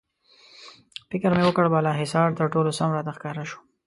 فکر مې وکړ، بالاحصار تر ټولو سم راته ښکاره شو.